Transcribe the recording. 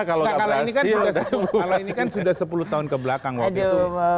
kalau ini kan sudah sepuluh tahun kebelakang waktu itu